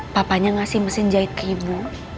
papanya ngasih mesin jahit ke ibu